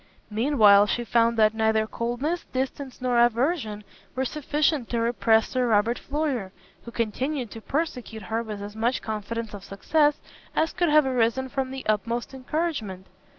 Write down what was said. Mean while she found that neither coldness, distance, nor aversion were sufficient to repress Sir Robert Floyer, who continued to persecute her with as much confidence of success as could have arisen from the utmost encouragement.